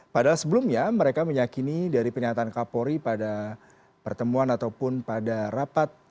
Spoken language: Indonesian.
padahal sebelumnya mereka meyakini dari pernyataan kapolri pada pertemuan ataupun pada rapat